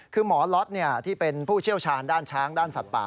คือหมอล็อตที่เป็นผู้เชี่ยวชาญด้านช้างด้านสัตว์ป่า